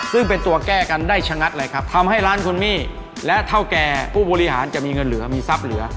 ซึ่งเป็นตัวแก้กันได้ชะงัดเลยครับทำให้ร้านคุณมี่และเท่าแก่ผู้บริหารจะมีเงินเหลือมีทรัพย์เหลือ